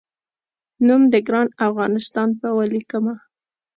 نوم د ګران افغانستان په ولیکمه